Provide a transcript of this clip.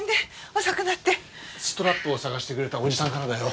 ストラップを探してくれたおじさんからだよ。